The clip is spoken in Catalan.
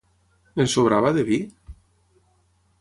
En sobrava, de vi?